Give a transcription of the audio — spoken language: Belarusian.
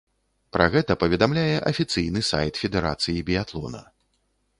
Пра гэта паведамляе афіцыйны сайт федэрацыі біятлона.